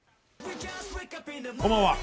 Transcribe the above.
こんばんは。